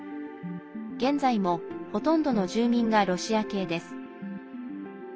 現在も、ほとんどの住民がロシア系です。